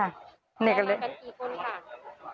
เอามาเหมือนกันกี่คนคะ